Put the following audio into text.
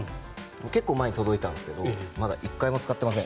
結構前に届いたんですけどまだ一回も使っていません。